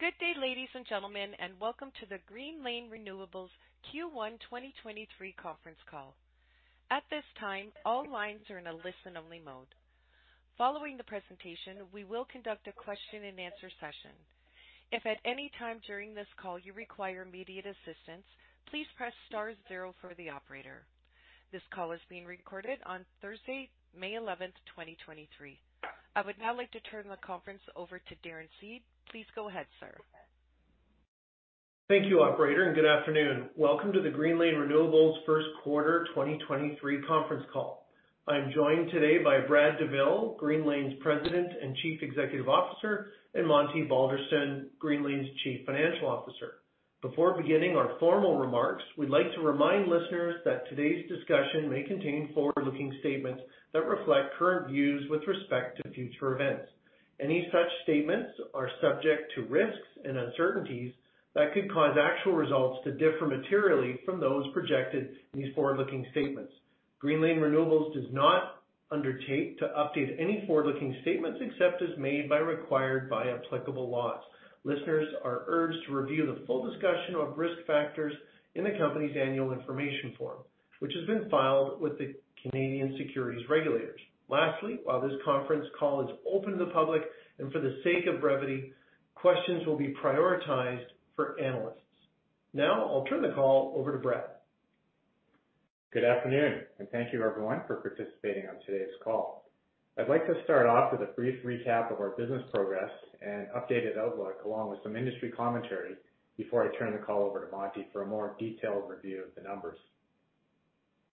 Good day, ladies and gentlemen, and welcome to the Greenlane Renewables Q1 2023 Conference Call. At this time, all lines are in a listen-only mode. Following the presentation, we will conduct a question and answer session. If at any time during this call you require immediate assistance, please press star 0 for the operator. This call is being recorded on Thursday, May 11th, 2023. I would now like to turn the conference over to Darren Seed. Please go ahead, sir. Thank you, operator, and good afternoon. Welcome to the Greenlane Renewables Q1 2023 Conference Call. I am joined today by Brad Douville, Greenlane's President and Chief Executive Officer, and Monty Balderston, Greenlane's Chief Financial Officer. Before beginning our formal remarks, we'd like to remind listeners that today's discussion may contain forward-looking statements that reflect current views with respect to future events. Any such statements are subject to risks and uncertainties that could cause actual results to differ materially from those projected in these forward-looking statements. Greenlane Renewables does not undertake to update any forward-looking statements, except as made by required by applicable laws. Listeners are urged to review the full discussion of risk factors in the company's annual information form, which has been filed with the Canadian Securities Administrators. Lastly, while this conference call is open to the public and for the sake of brevity, questions will be prioritized for analysts. Now I'll turn the call over to Brad. Good afternoon. Thank you everyone for participating on today's call. I'd like to start off with a brief recap of our business progress and updated outlook, along with some industry commentary before I turn the call over to Monty for a more detailed review of the numbers.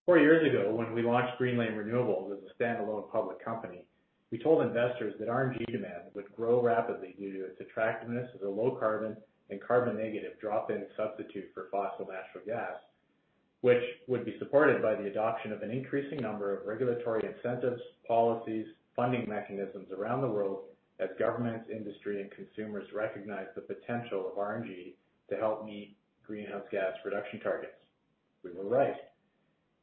Four years ago, when we launched Greenlane Renewables as a standalone public company, we told investors that RNG demand would grow rapidly due to its attractiveness as a low carbon and carbon negative drop-in substitute for fossil natural gas, which would be supported by the adoption of an increasing number of regulatory incentives, policies, funding mechanisms around the world as governments, industry and consumers recognize the potential of RNG to help meet greenhouse gas reduction targets. We were right.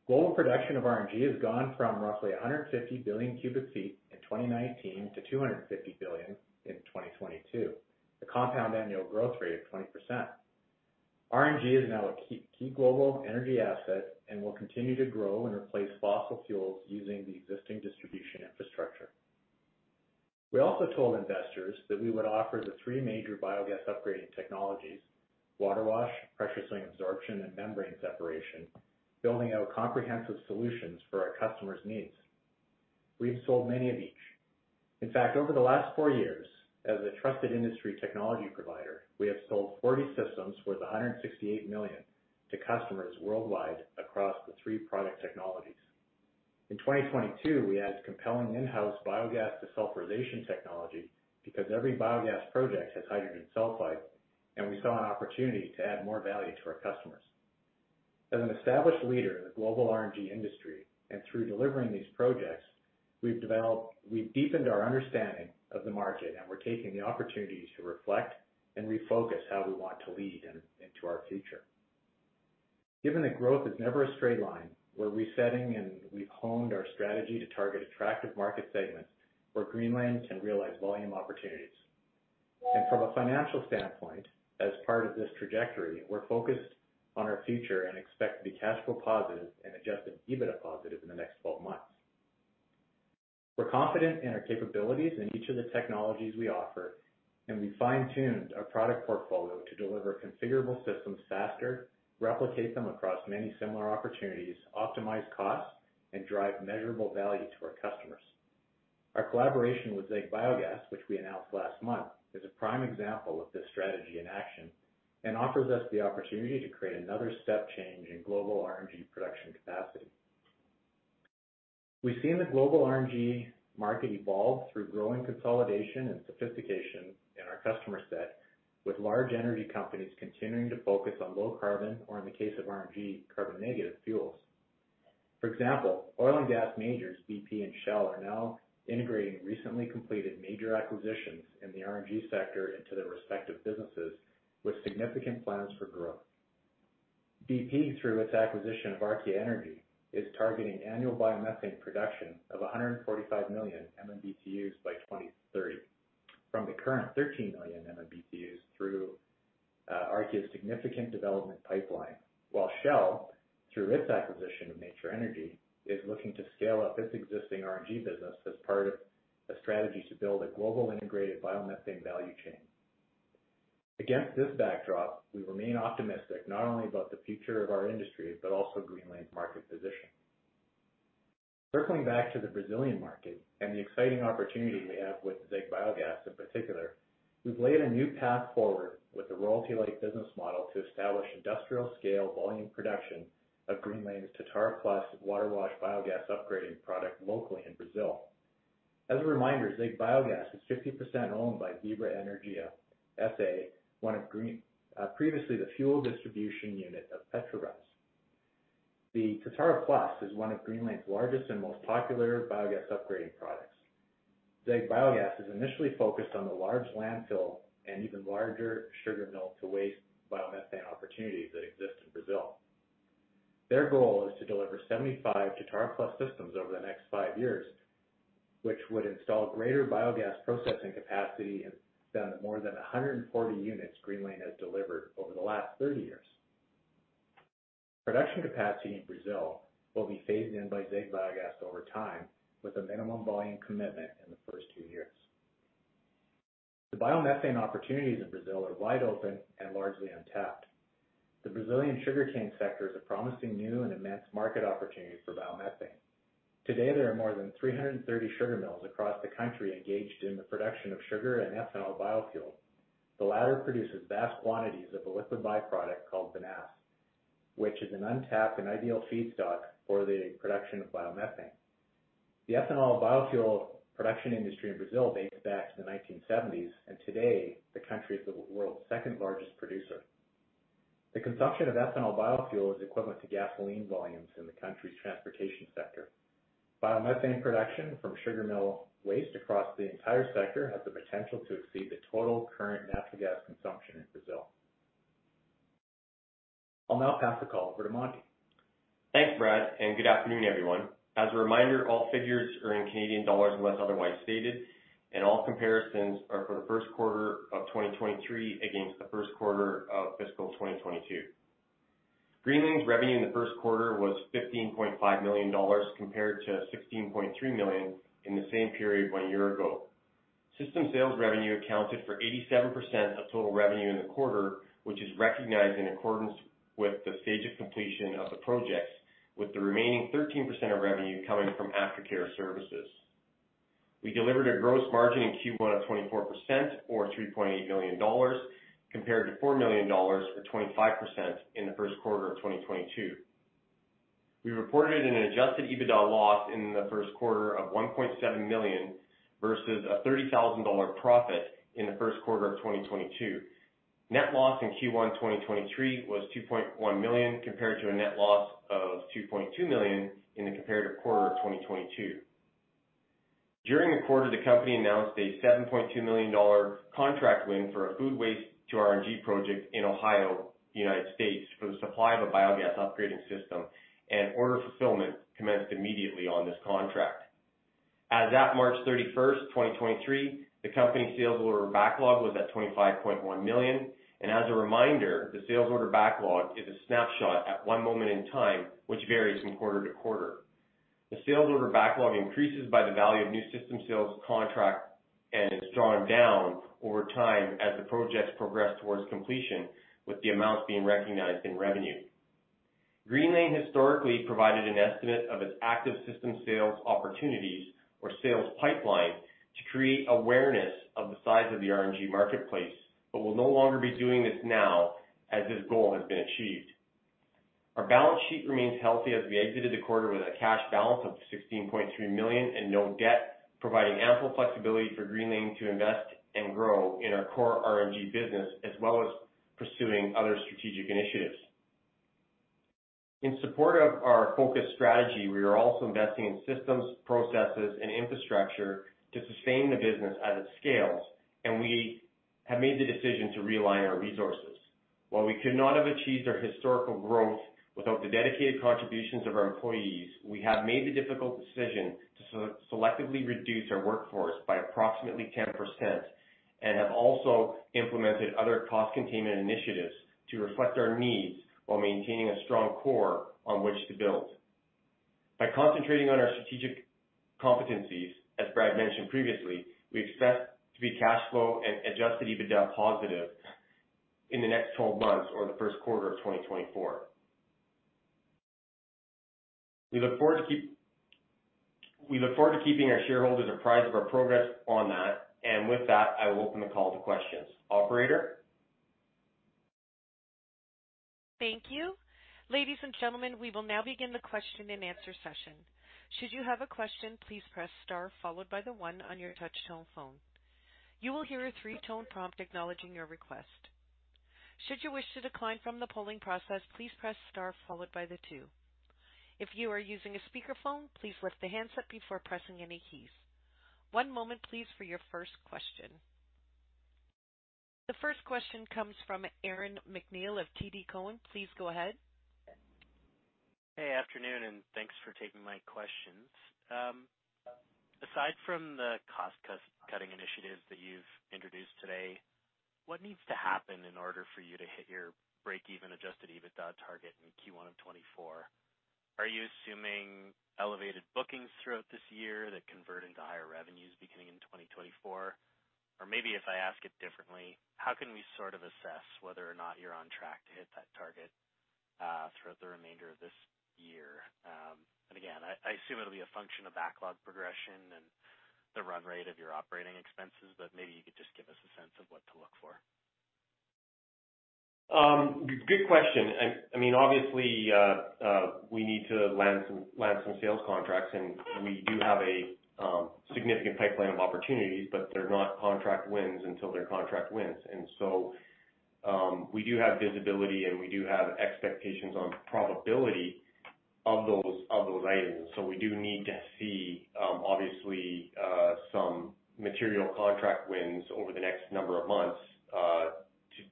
Global production of RNG has gone from roughly 150 billion cubic feet in 2019 to 250 billion in 2022. The compound annual growth rate of 20%. RNG is now a key global energy asset and will continue to grow and replace fossil fuels using the existing distribution infrastructure. We also told investors that we would offer the three major biogas upgrading technologies: water wash, pressure swing adsorption and membrane separation, building out comprehensive solutions for our customers' needs. We've sold many of each. In fact, over the last four years as a trusted industry technology provider, we have sold 40 systems worth 168 million to customers worldwide across the three product technologies. In 2022, we added compelling in-house biogas desulfurization technology because every biogas project has hydrogen sulfide, and we saw an opportunity to add more value to our customers. As an established leader in the global RNG industry, and through delivering these projects we've deepened our understanding of the market, and we're taking the opportunity to reflect and refocus how we want to lead in, into our future. Given that growth is never a straight line, we're resetting and we've honed our strategy to target attractive market segments where Greenlane can realize volume opportunities. From a financial standpoint, as part of this trajectory, we're focused on our future and expect to be cash flow positive and Adjusted EBITDA positive in the next 12 months. We're confident in our capabilities in each of the technologies we offer, and we fine-tuned our product portfolio to deliver configurable systems faster, replicate them across many similar opportunities, optimize costs, and drive measurable value to our customers. Our collaboration with ZEG Biogás, which we announced last month, is a prime example of this strategy in action and offers us the opportunity to create another step change in global RNG production capacity. We've seen the global RNG market evolve through growing consolidation and sophistication in our customer set, with large energy companies continuing to focus on low carbon, or in the case of RNG, carbon negative fuels. For example, oil and gas majors BP and Shell are now integrating recently completed major acquisitions in the RNG sector into their respective businesses with significant plans for growth. BP, through its acquisition of Archaea Energy, is targeting annual biomethane production of 145 million MMBtus by 2030 from the current 13 million MMBtus through Archaea's significant development pipeline. Shell, through its acquisition of Nature Energy, is looking to scale up its existing RNG business as part of a strategy to build a global integrated biomethane value chain. Against this backdrop, we remain optimistic not only about the future of our industry, but also Greenlane's market position. Circling back to the Brazilian market and the exciting opportunity we have with ZEG Biogás in particular, we've laid a new path forward with a royalty-like business model to establish industrial scale volume production of Greenlane's Totara+ Waterwash Biogas Upgrading product locally in Brazil. As a reminder, ZEG Biogás is 50% owned by Vibra Energia S.A., one of previously the fuel distribution unit of Petrobras. The Totara+ is one of Greenlane's largest and most popular biogas upgrading products. ZEG Biogás is initially focused on the large landfill and even larger sugar mill-to-waste biomethane opportunities that exist in Brazil. Their goal is to deliver 75 Totara+ systems over the next five years, which would install greater biogas processing capacity than more than 140 units Greenlane has delivered over the last 30 years. Production capacity in Brazil will be phased in by ZEG Biogás over time, with a minimum volume commitment in the first two years. The biomethane opportunities in Brazil are wide open and largely untapped. The Brazilian sugarcane sector is a promising new and immense market opportunity for biomethane. Today, there are more than 330 sugar mills across the country engaged in the production of sugar and ethanol biofuel. The latter produces vast quantities of a liquid byproduct called vinasse, which is an untapped and ideal feedstock for the production of biomethane. The ethanol biofuel production industry in Brazil dates back to the 1970s, and today the country is the world's second-largest producer. The consumption of ethanol biofuel is equivalent to gasoline volumes in the country's transportation sector. Biomethane production from sugar mill waste across the entire sector has the potential to exceed the total current natural gas consumption in Brazil. I'll now pass the call over to Monty. Thanks, Brad. Good afternoon, everyone. As a reminder, all figures are in Canadian dollars unless otherwise stated, and all comparisons are for Q1 of 2023 against Q1 of fiscal 2022. Greenlane's revenue in Q1 was 15.5 million dollars compared to 16.3 million in the same period one year ago. System sales revenue accounted for 87% of total revenue in the quarter, which is recognized in accordance with the stage of completion of the projects, with the remaining 13% of revenue coming from aftercare services. We delivered a gross margin in Q1 of 24% or 3.8 million dollars, compared to 4 million dollars or 25% in Q1 of 2022. We reported an Adjusted EBITDA loss in Q1 of $1.7 million, versus a $30,000 profit in Q1 of 2022. Net loss in Q1 2023 was $2.1 million, compared to a net loss of $2.2 million in the comparative quarter of 2022. During the quarter, the company announced a $7.2 million contract win for a food waste to RNG project in Ohio, United States, for the supply of a biogas upgrading system, and order fulfillment commenced immediately on this contract. As at March 31, 2023, the company's sales order backlog was at $25.1 million. As a reminder, the sales order backlog is a snapshot at one moment in time, which varies from quarter to quarter. The sales order backlog increases by the value of new system sales contracts and is drawn down over time as the projects progress towards completion, with the amounts being recognized in revenue. Greenlane historically provided an estimate of its active system sales opportunities or sales pipeline to create awareness of the size of the RNG marketplace, but will no longer be doing this now as this goal has been achieved. Our balance sheet remains healthy as we exited the quarter with a cash balance of 16.3 million and no debt, providing ample flexibility for Greenlane to invest and grow in our core RNG business, as well as pursuing other strategic initiatives. In support of our focus strategy, we are also investing in systems, processes, and infrastructure to sustain the business as it scales, and we have made the decision to realign our resources. While we could not have achieved our historical growth without the dedicated contributions of our employees, we have made the difficult decision to selectively reduce our workforce by approximately 10% and have also implemented other cost containment initiatives to reflect our needs while maintaining a strong core on which to build. By concentrating on our strategic competencies, as Brad mentioned previously, we expect to be cash flow and Adjusted EBITDA positive in the next 12 months or Q1 of 2024. We look forward to keeping our shareholders apprised of our progress on that. And with that, I will open the call to questions. Operator? Thank you. Ladies and gentlemen, we will now begin the Q&A session. Should you have a question, please press star followed by the one on your touch-tone phone. You will hear a three-tone prompt acknowledging your request. Should you wish to decline from the polling process, please press star followed by the two. If you are using a speakerphone, please lift the handset before pressing any keys. One moment please for your first question. The first question comes from Aaron MacNeil of TD Cowen. Please go ahead. Afternoon, and thanks for taking my questions. Aside from the cost-cutting initiatives that you've introduced today, what needs to happen in order for you to hit your break-even Adjusted EBITDA target in Q1 of 2024? Are you assuming elevated bookings throughout this year that convert into higher revenues beginning in 2024? Maybe if I ask it differently, how can we sort of assess whether or not you're on track to hit that target throughout the remainder of this year? Again, I assume it'll be a function of backlog progression and the run rate of your operating expenses, but maybe you could just give us a sense of what to look for. Good question. I mean, obviously, we need to land some sales contracts and we do have a significant pipeline of opportunities, but they're not contract wins until they're contract wins. We do have visibility, and we do have expectations on probability. Of those items. We do need to see obviously some material contract wins over the next number of months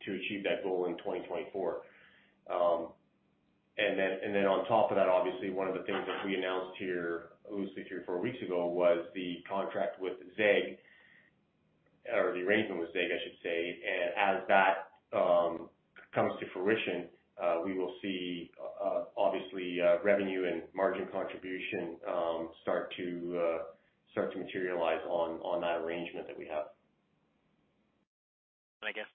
to achieve that goal in 2024. On top of that, obviously one of the things that we announced here loosely three or four weeks ago was the contract with ZEG, or the arrangement with ZEG, I should say. As that comes to fruition, we will see obviously revenue and margin contribution start to materialize on that arrangement that we have. I guess,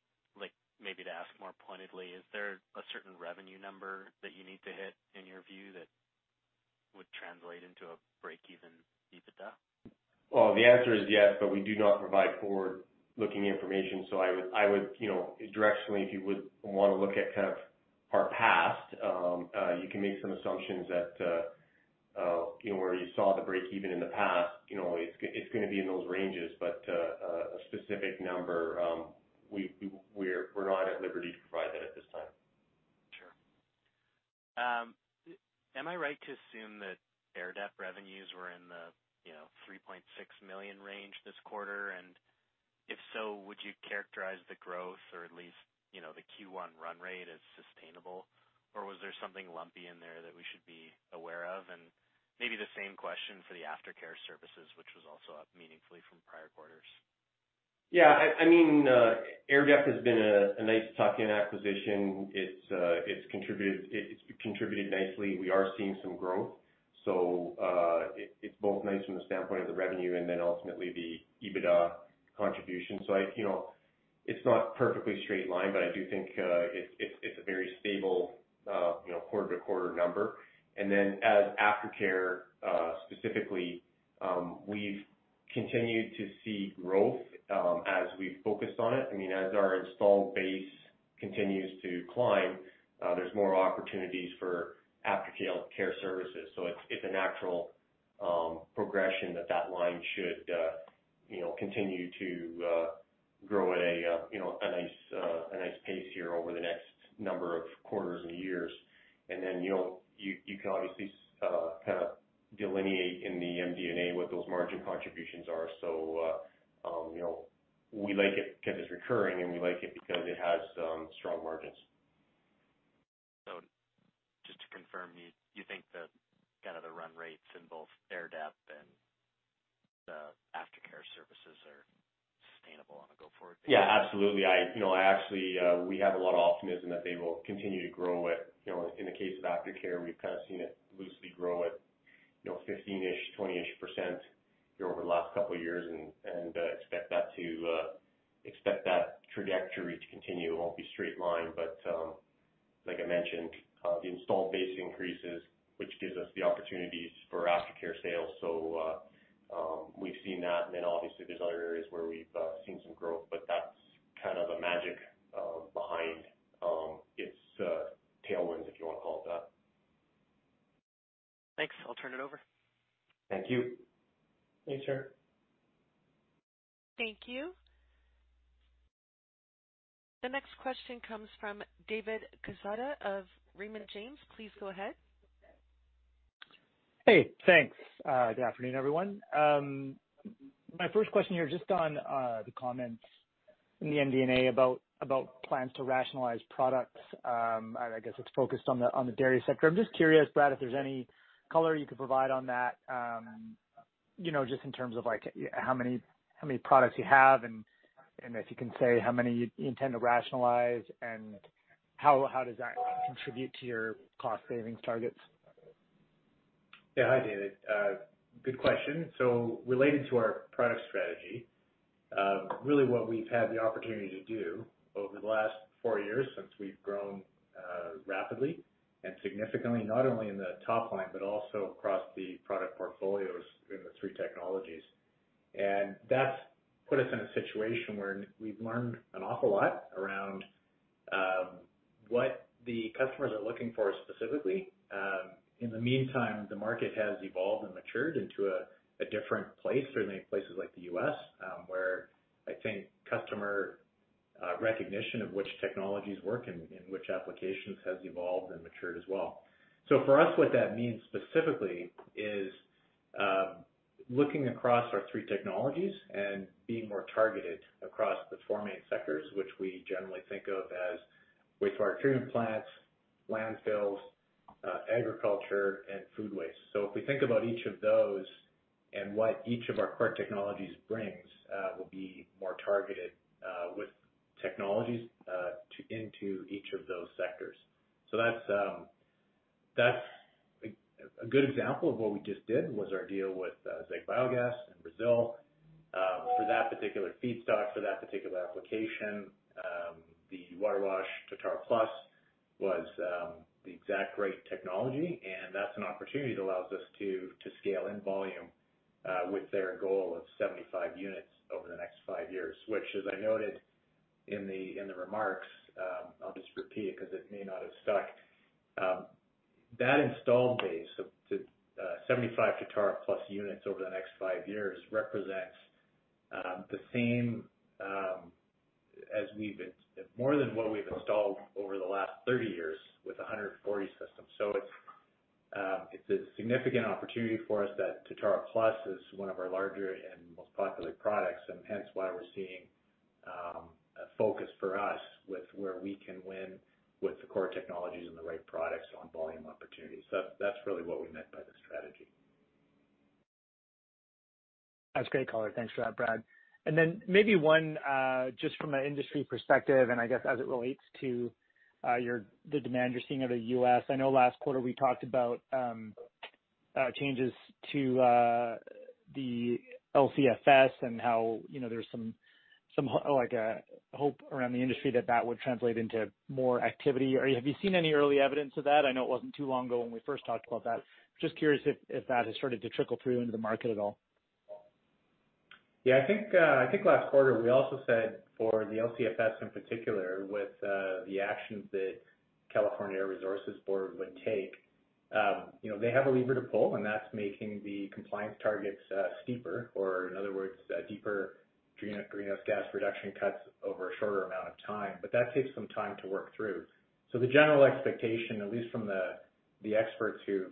like maybe to ask more pointedly, is there a certain revenue number that you need to hit in your view that would translate into a break-even EBITDA? The answer is yes, but we do not provide forward-looking information. I would, you know, directionally, if you would wanna look at kind of our past, you can make some assumptions that, you know, where you saw the break even in the past, you know, it's gonna be in those ranges. A specific number, we're not at liberty to provide that at this time. Sure. Am I right to assume that AirDep revenues were in the, you know, 3.6 million range this quarter? If so, would you characterize the growth or at least, you know, Q1 run rate as sustainable, or was there something lumpy in there that we should be aware of? Maybe the same question for the aftercare services, which was also up meaningfully from prior quarters. I mean, AirDep has been a nice tuck-in acquisition. It's contributed nicely. We are seeing some growth. It's both nice from the standpoint of the revenue and then ultimately the EBITDA contribution. I, you know, it's not perfectly straight line, but I do think it's a very stable, you know, quarter-to-quarter number. As aftercare, specifically, we've continued to see growth as we've focused on it. I mean, as our installed base continues to climb, there's more opportunities for aftercare services. It's a natural progression that line should, you know, continue to grow at a, you know, a nice pace here over the next number of quarters and years. you know, you can obviously, kind of delineate in the MD&A what those margin contributions are. you know, we like it 'cause it's recurring, and we like it because it has strong margins. Just to confirm, you think that kind of the run rates in both AirDep and the aftercare services are sustainable on a go-forward basis? Yeah, absolutely. I, you know, I actually, we have a lot of optimism that they will continue to grow at. You know, in the case of aftercare, we've kind of seen it loosely grow at, you know, 15%-20% here over the last couple of years and expect that to expect that trajectory to continue. It won't be straight line, but, like I mentioned, the installed base increases, which gives us the opportunities for aftercare sales. We've seen that, and then obviously there's other areas where we've seen some growth, but that's kind of the magic behind its tailwinds, if you wanna call it that. Thanks. I'll turn it over. Thank you. Thanks, sir. Thank you. The next question comes from David Quezada of Raymond James. Please go ahead. Hey, thanks. Good afternoon, everyone. My first question here, just on the comments in the MD&A about plans to rationalize products, I guess it's focused on the dairy sector. I'm just curious, Brad, if there's any color you could provide on that, you know, just in terms of like, how many products you have and if you can say how many you intend to rationalize and how does that contribute to your cost savings targets? Yeah. Hi, David. Good question. Related to our product strategy, really what we've had the opportunity to do over the last four years since we've grown rapidly and significantly, not only in the top line, but also across the product portfolios in the three technologies. That's put us in a situation where we've learned an awful lot around what the customers are looking for specifically. In the meantime, the market has evolved and matured into a different place, certainly in places like the US, where I think customer recognition of which technologies work and which applications has evolved and matured as well. For us, what that means specifically is looking across our three technologies and being more targeted across the four main sectors, which we generally think of as wastewater treatment plants, landfills, agriculture, and food waste. If we think about each of those and what each of our core technologies brings, will be more targeted with technologies into each of those sectors. That's a good example of what we just did was our deal with ZEG Biogás in Brazil. For that particular feedstock, for that particular application, the Waterwash Totara+ was the exact right technology, and that's an opportunity that allows us to scale in volume with their goal of 75 units over the next five years. As I noted in the remarks, I'll just repeat it 'cause it may not have stuck. That installed base of 75 Totara+ units over the next five years represents the same more than what we've installed over the last 30 years with 140 systems. It's a significant opportunity for us that Totara+ is one of our larger and most popular products, and hence why we're seeing a focus for us with where we can win with the core technologies and the right products on volume opportunities. That's really what we meant by the strategy. That's great color. Thanks for that, Brad. Maybe one just from an industry perspective, and I guess as it relates to the demand you're seeing out of the US. I know last quarter we talked about changes to the LCFS and how, you know, there's some hope around the industry that that would translate into more activity. Have you seen any early evidence of that? I know it wasn't too long ago when we first talked about that. Just curious if that has started to trickle through into the market at all. Yeah, I think, I think last quarter we also said for the LCFS in particular, with the actions that California Air Resources Board would take, you know, they have a lever to pull, and that's making the compliance targets steeper or in other words, deeper greenhouse gas reduction cuts over a shorter amount of time. That takes some time to work through. The general expectation, at least from the experts who've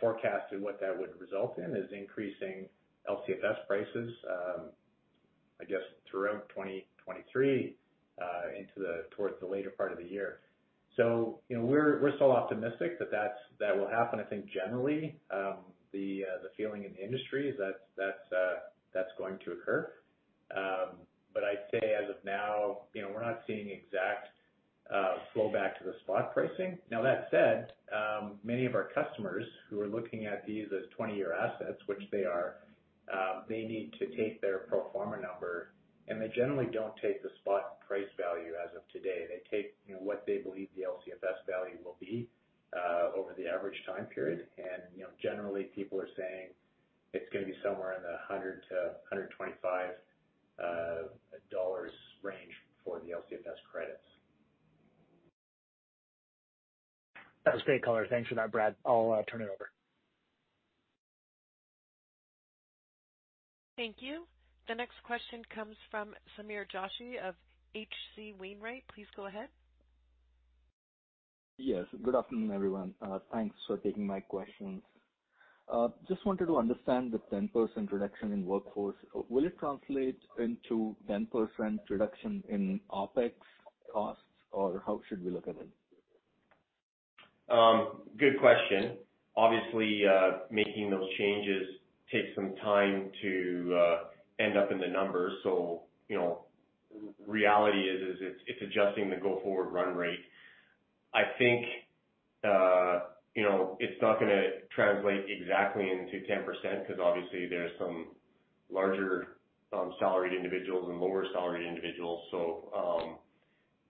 forecasted what that would result in, is increasing LCFS prices, I guess, throughout 2023, into towards the later part of the year. You know, we're still optimistic that that's, that will happen. I think generally, the feeling in the industry is that's going to occur. I'd say as of now, you know, we're not seeing exact flow back to the spot pricing. That said, many of our customers who are looking at these as 20-year assets, which they are, they need to take their pro forma number, they generally don't take the spot price value as of today. They take, you know, what they believe the LCFS value will be over the average time period. Generally people are saying it's gonna be somewhere in the $100-$125 range for the LCFS credits. That's great color. Thanks for that, Brad. I'll turn it over. Thank you. The next question comes from Sameer Joshi of H.C. Wainwright. Please go ahead. Yes. Good afternoon, everyone. Thanks for taking my questions. Just wanted to understand the 10% reduction in workforce. Will it translate into 10% reduction in OpEx costs, or how should we look at it? Good question. Obviously, making those changes takes some time to end up in the numbers. You know, reality is, it's adjusting the go-forward run rate. I think, you know, it's not gonna translate exactly into 10% because obviously there's some larger, salaried individuals and lower salaried individuals.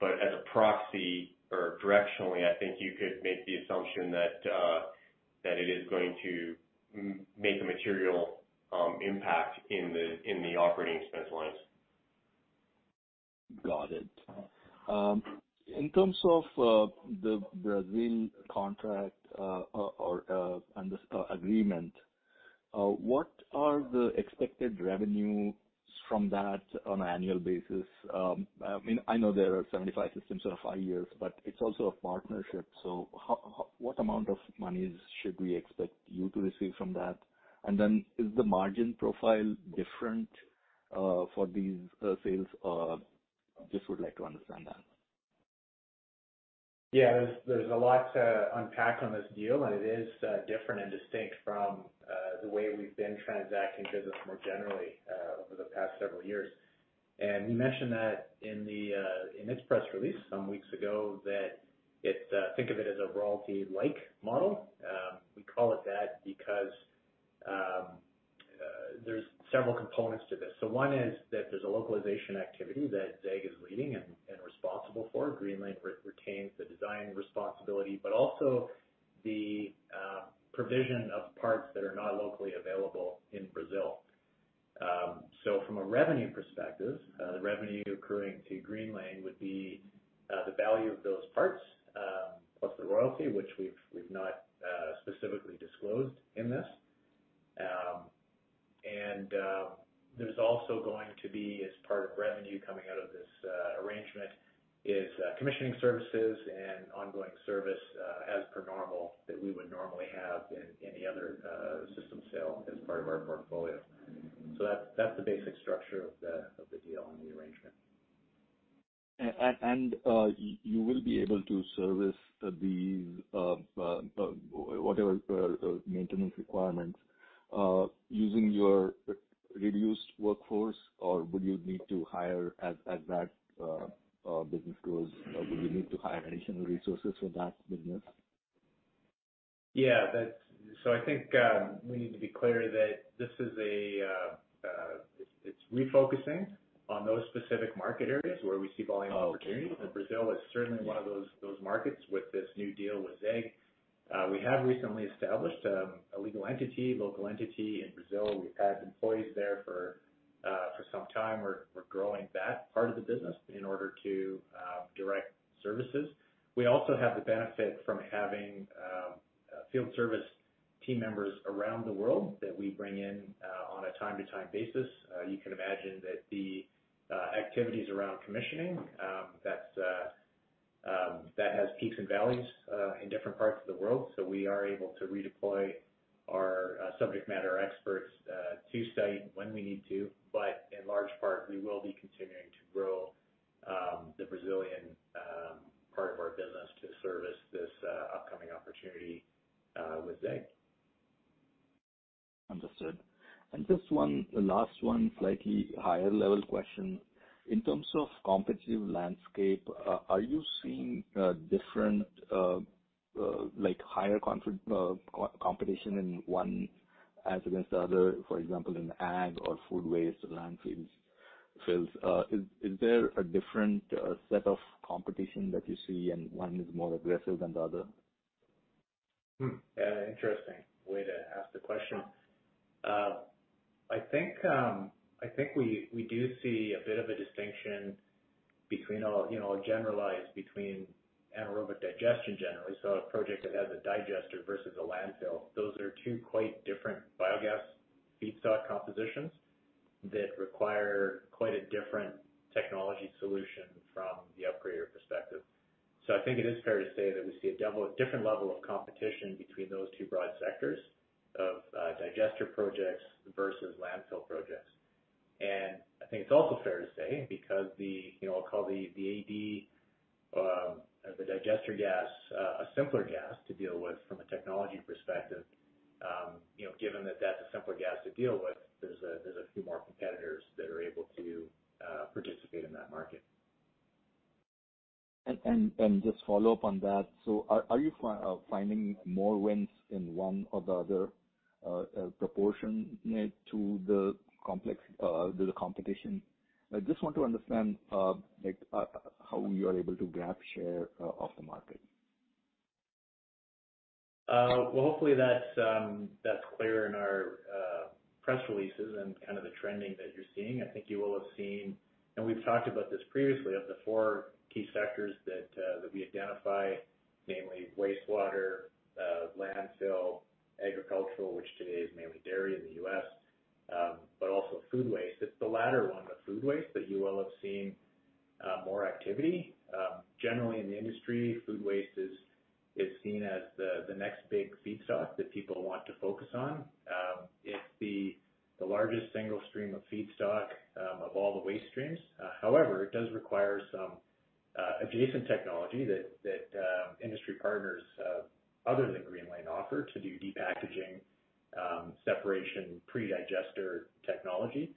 But as a proxy or directionally, I think you could make the assumption that it is going to make a material impact in the operating expense lines. Got it. In terms of the Brazil contract, or under agreement, what are the expected revenues from that on an annual basis? I mean, I know there are 75 systems over five years, but it's also a partnership, so what amount of monies should we expect you to receive from that? Is the margin profile different for these sales? Just would like to understand that. Yeah. There's a lot to unpack on this deal, and it is different and distinct from the way we've been transacting business more generally over the past several years. We mentioned that in the in its press release some weeks ago, that it think of it as a royalty-like model. We call it that because there's several components to this. One is that there's a localization activity that ZEG is leading and responsible for. Greenlane retains the design responsibility, but also the provision of parts that are not locally available in Brazil. From a revenue perspective, the revenue accruing to that we would normally have in any other system sale as part of our portfolio. That's, that's the basic structure of the deal and the arrangement. You will be able to service the, whatever, maintenance requirements, using your reduced workforce, or will you need to hire as that, business grows? Will you need to hire additional resources for that business? Yeah, I think we need to be clear that this is a refocusing on those specific market areas where we see volume opportunity. Okay. Brazil is certainly one of those markets with this new deal with ZEG. We have recently established a legal entity in Brazil. We've had employees there for some time. We're growing that part of the business in order to direct services. We also have the benefit from having field service team members around the world that we bring in on a time-to-time basis. You can imagine that the activities around commissioning that has peaks and valleys in different parts of the world. We are able to redeploy our subject matter experts to site when we need to. In large part, we will be continuing to grow the Brazilian part of our business to service this upcoming opportunity with Zeg. Understood. Just one last one, slightly higher level question. In terms of competitive landscape, are you seeing different like higher competition in one as against the other, for example, in agriculture or food waste landfills? Is there a different set of competition that you see and one is more aggressive than the other? Yeah, interesting way to ask the question. I think, I think we do see a bit of a distinction between all, you know, generalized between anaerobic digestion generally. A project that has a digester versus a landfill, those are two quite different biogas feedstock compositions that require quite a different technology solution from the upgrader perspective. I think it is fair to say that we see a different level of competition between those two broad sectors of digester projects versus landfill projects. I think it's also fair to say, because the, you know, I'll call the AD, the digester gas, a simpler gas to deal with from a technology perspective, you know, given that that's a simpler gas to deal with, there's a, there's a few more competitors that are able to participate in that market. Just follow up on that. Are you finding more wins in one or the other proportion to the complex competition? I just want to understand like how you are able to grab share of the market. Well, hopefully that's clear in our press releases and kind of the trending that you're seeing. I think you will have seen, and we've talked about this previously, of the four key sectors that we identify, namely wastewater, landfill, agricultural, which today is mainly dairy in the US, but also food waste. It's the latter one, the food waste, that you will have seen, more activity. Generally in the industry, food waste is seen as the next big feedstock that people want to focus on. It's the largest single stream of feedstock of all the waste streams. However, it does require some adjacent technology that industry partners other than Greenlane offer to do depackaging, separation, pre-digester technology.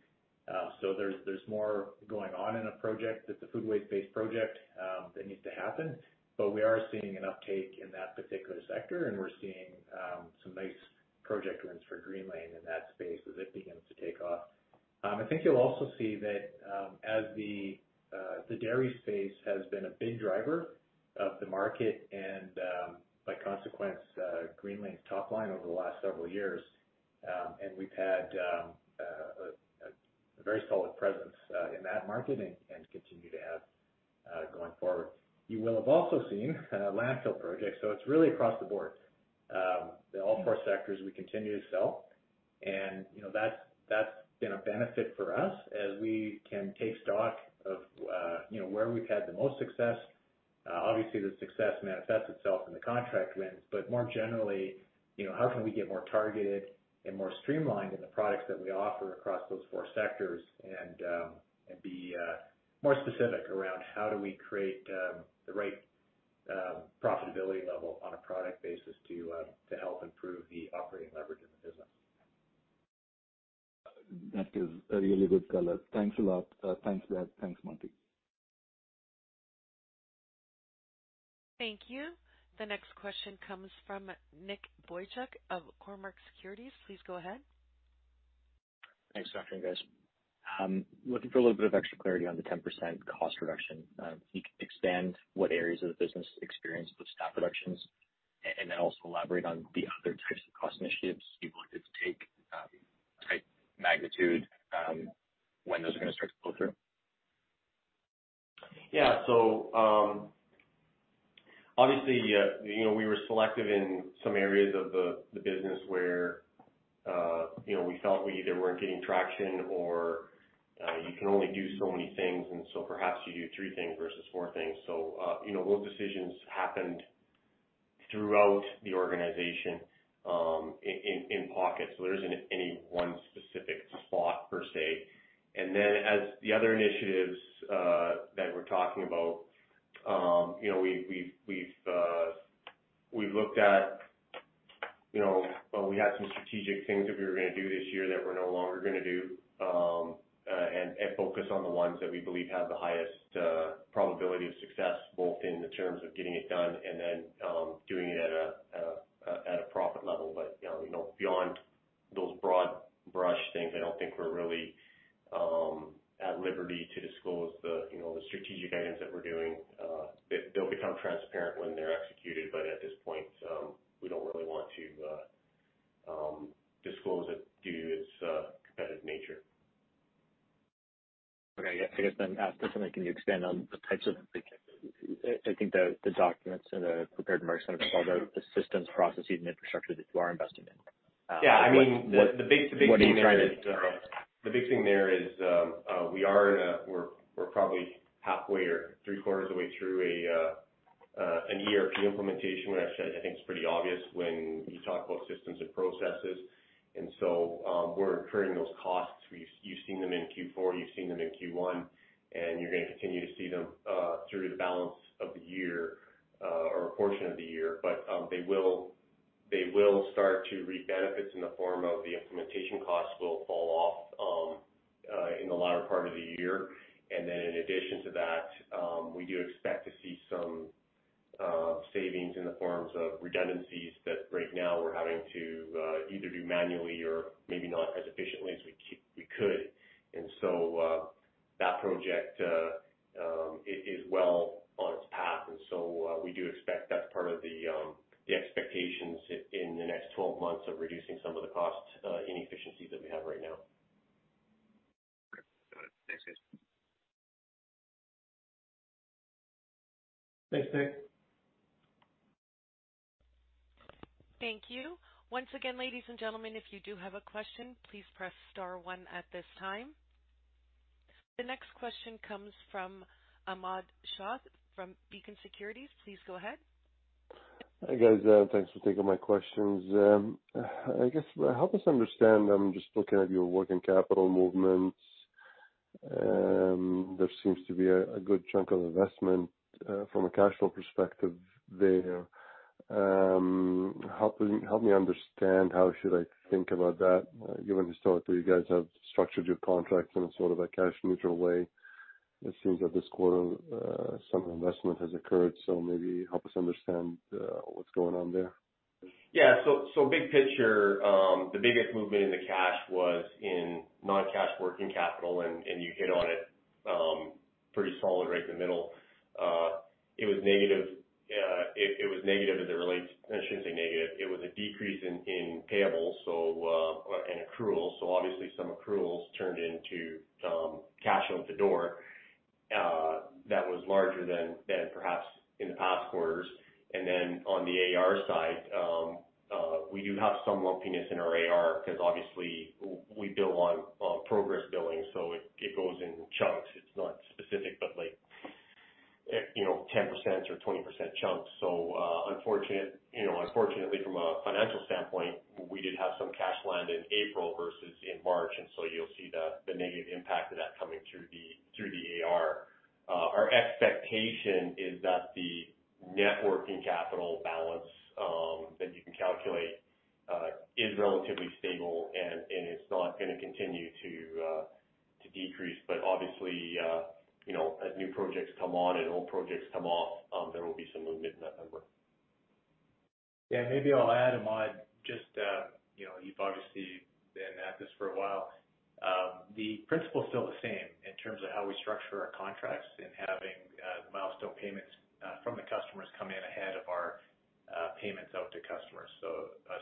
There's more going on in a project that's a food waste-based project that needs to happen. We are seeing an uptake in that particular sector, and we're seeing some nice project wins for Greenlane in that space as it begins to take off. I think you'll also see that as the dairy space has been a big driver of the market and by consequence, Greenlane's top line over the last several years. We've had a very solid presence in that market and continue to have going forward. You will have also seen landfill projects, it's really across the board. All four sectors we continue to sell and, you know, that's been a benefit for us as we can take stock of, you know, where we've had the most success. Obviously the success manifests itself in the contract wins, but more generally, you know, how can we get more targeted and more streamlined in the products that we offer across those four sectors and be more specific around how do we create the right profitability level on a product basis to help improve the operating leverage in the business. That is a really good color. Thanks a lot. Thanks for that. Thanks, Monty. Thank you. The next question comes from Nick Boychuk of Cormark Securities. Please go ahead. Thanks for having me, guys. Looking for a little bit of extra clarity on the 10% cost reduction. Can you expand what areas of the business experience those staff reductions? Also elaborate on the other types of cost initiatives you've looked to take, type magnitude, when those are gonna start to pull through. Yeah. Obviously, you know, we were selective in some areas of the business where, you know, we felt we either weren't getting traction or, you can only do so many things, and so perhaps you do three things versus four things. You know, those decisions happened throughout the organization, in, in pockets. There isn't any one specific spot per se. As the other initiatives that we're talking about, you know, we've looked at, you know, we had some strategic things that we were gonna do this year that we're no longer gonna do, and focus on the ones that we believe have the highest probability of success, both in the terms of getting it done and then doing it at a profit level. You know, beyond those broad brush things, I don't think we're really at liberty to disclose the, you know, the strategic items that we're doing. They'll become transparent when they're executed, but at this point, we don't really want to disclose it due to its competitive nature. Yeah, I guess then after something, can you expand on the types of, I think the documents in the prepared remarks kind of spell out the systems, processes, and infrastructure that you are investing in. Yeah. I mean, the big thing there is. The big thing there is, we're probably halfway or three-quarters of the way through an ERP implementation, which I think is pretty obvious when you talk about systems and processes. We're incurring those costs. You've seen them in Q4, you've seen them in Q1, you're gonna continue to see them through the balance of the year or a portion of the year. They will start to reap benefits in the form of the implementation costs will fall off in the latter part of the year. In addition to that, we do expect to see some savings in the forms of redundancies that right now we're having to either do manually or maybe not as efficiently as we could. That project is well on its path. We do expect that's part of the expectations in the next 12 months of reducing some of the cost inefficiencies that we have right now. Okay. Got it. Thanks, guys. Thanks, Nick. Thank you. Once again, ladies and gentlemen, if you do have a question, please press star one at this time. The next question comes from Ahmad Shaath from Beacon Securities. Please go ahead. Hi, guys. Thanks for taking my questions. I guess help us understand, I'm just looking at your working capital movements. There seems to be a good chunk of investment from a cash flow perspective there. Help me understand how should I think about that given the story that you guys have structured your contracts in a sort of a cash neutral way. It seems that this quarter, some investment has occurred, so maybe help us understand what's going on there. Yeah. So big picture, the biggest movement in the cash was in non-cash working capital, and you hit on it pretty solid right in the middle. It was negative, I shouldn't say negative. It was a decrease in payables and accruals. Obviously some accruals turned into some cash out the door that was larger than perhaps in the past quarters. On the AR side, we do have some lumpiness in our AR because obviously we bill on progress billing, it goes in chunks. It's not specific, but like, you know, 10% or 20% chunks. Unfortunate, you know, unfortunately from a financial standpoint, we did have some cash land in April versus in March, you'll see the negative impact of that coming through the AR. Our expectation is that the net working capital balance that you can calculate is relatively stable and it's not gonna continue to decrease. Obviously, you know, as new projects come on and old projects come off, there will be some movement in that number. Maybe I'll add, Ahmad, just, you know, you've obviously been at this for a while. The principle is still the same in terms of how we structure our contracts in having the milestone payments from the customers come in ahead of our payments out to customers.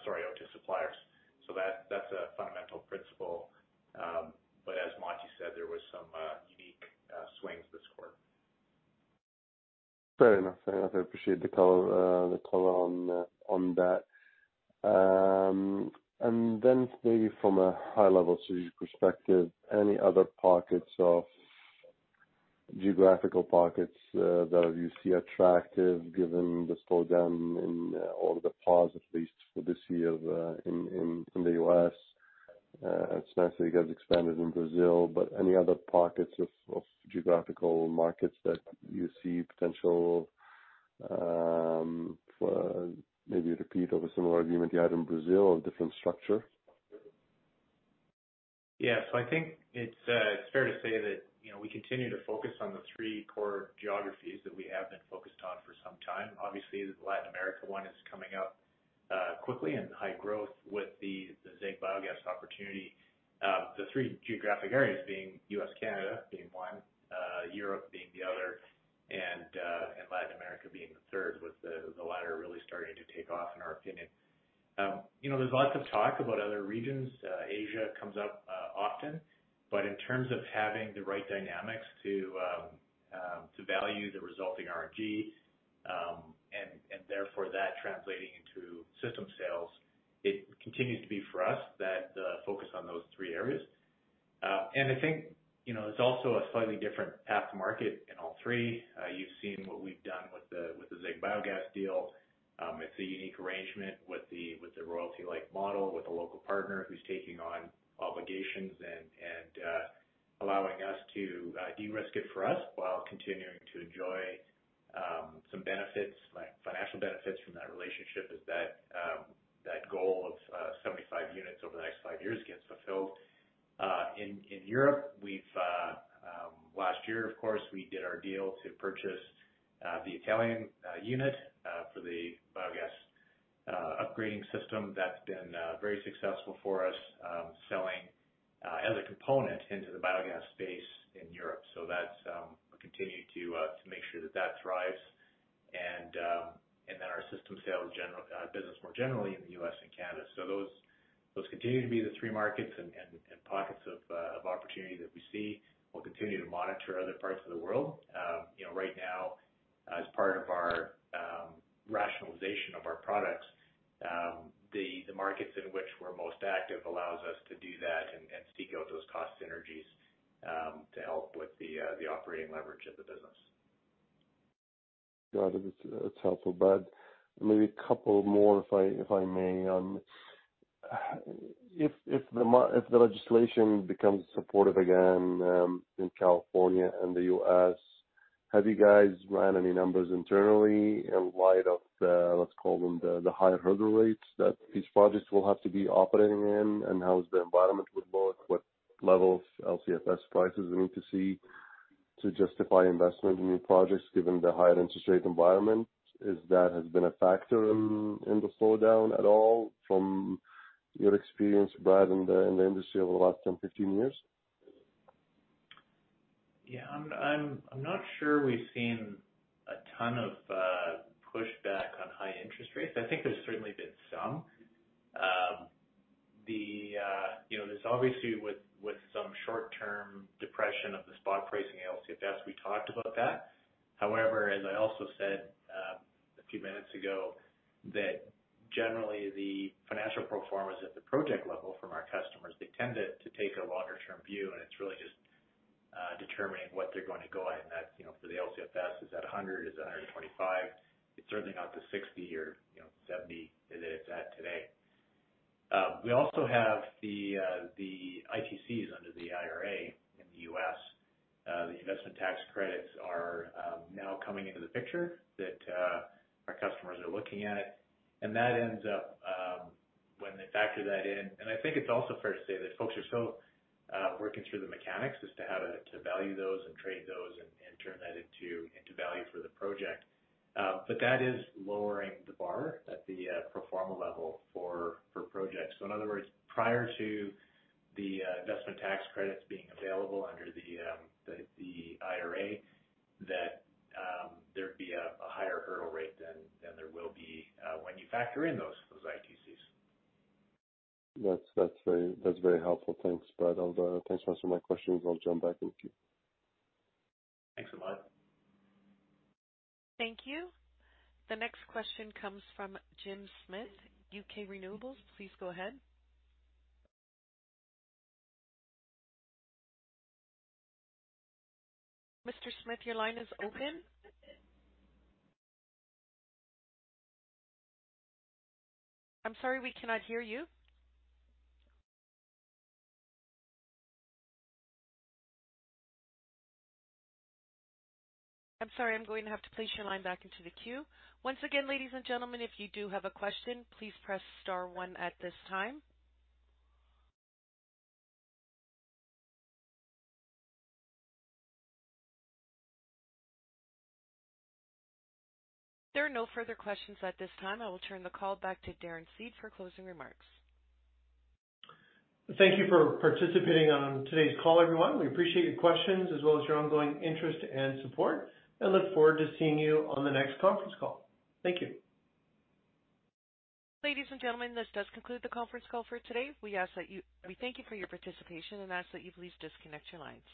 Sorry, out to suppliers. That's a fundamental principle. As Monty said, there was some unique swings this quarter. Fair enough. Fair enough. I appreciate the color, the color on that. Then maybe from a high-level strategic perspective, any other pockets of geographical pockets, that you see attractive given the slowdown in or the pause at least for this year, in the U.S.? It's nice that you guys expanded in Brazil, but any other pockets of geographical markets that you see potential, maybe a repeat of a similar agreement you had in Brazil, a different structure? I think it's fair to say that, you know, we continue to focus on the three core geographies that we have been focused on for some time. Obviously, the Latin America one is coming up quickly and high growth with the ZEG Biogás opportunity. The three geographic areas being U.S., Canada being one, Europe being the other, and Latin America being the third, with the latter really starting to take off in our opinion. You know, there's lots of talk about other regions, Asia comes up often. In terms of having the right dynamics to value the resulting RNG, and therefore that translating into system sales, it continues to be for us that focus on those three areas. I think, you know, it's also a slightly different path to market in all three. You've seen what we've done with the ZEG Biogás deal. It's a unique arrangement with the royalty-like model with a local partner who's taking on obligations and allowing us to de-risk it for us while continuing to enjoy some benefits, like financial benefits from that relationship as that goal of 75 units over the next five years gets fulfilled. In Europe, we've last year of course, we did our deal to purchase the Italian unit for the biogas upgrading system. That's been very successful for us, selling as a component into the biogas space in Europe. That's, we're continuing to make sure that that thrives. Our system sales general business more generally in the U.S. and Canada. Those continue to be the three markets and pockets of opportunity that we see. We'll continue to monitor other parts of the world. You know, right now as part of our rationalization of our products, the markets in which we're most active allows us to do that and seek out those cost synergies to help with the operating leverage of the business. Got it. It's helpful, Brad. Maybe a couple more if I, if I may. If the legislation becomes supportive again in California and the U.S., have you guys ran any numbers internally in light of the, let's call them the higher hurdle rates that these projects will have to be operating in? How is the environment look? What level of LCFS prices we need to see to justify investment in new projects given the higher interest rate environment? Is that has been a factor in the slowdown at all from your experience, Brad, in the industry over the last 10, 15 years? Yeah, I'm not sure we've seen a ton of pushback on high interest rates. I think there's certainly been some. The, you know, there's obviously with some short-term depression of the spot pricing LCFS, we talked about that. However, as I also said, a few minutes ago, that generally the financial pro formas at the project level from our customers, they tended to take a longer term view and it's really just determining what they're going to go at. That's, you know, for the LCFS, is that 100? Is it 125? It's certainly not the 60 or, you know, 70 that it's at today. We also have the ITCs under the IRA in the U.S. The Investment Tax Credits are now coming into the picture that our customers are looking at. That ends up when they factor that in. I think it's also fair to say that folks are still working through the mechanics as to how to value those and trade those and turn that into value for the project. That is lowering the bar at the pro forma level for projects. In other words, prior to the Investment Tax Credits being available under the IRA, that there'd be a higher hurdle rate than there will be when you factor in those ITCs. That's very helpful. Thanks, Brad. I'll thanks for answering my questions. I'll jump back in queue. Thanks a lot. Thank you. The next question comes from Jim Smith, UK Renewables. Please go ahead. Mr. Smith, your line is open. I'm sorry we cannot hear you. I'm sorry, I'm going to have to place your line back into the queue. Once again, ladies and gentlemen, if you do have a question, please press star one at this time. If there are no further questions at this time, I will turn the call back to Darren Seed for closing remarks. Thank you for participating on today's call, everyone. We appreciate your questions as well as your ongoing interest and support, and look forward to seeing you on the next conference call. Thank you. Ladies and gentlemen, this does conclude the conference call for today. We thank you for your participation and ask that you please disconnect your lines.